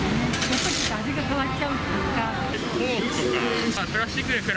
やっぱり味が変わっちゃうというか。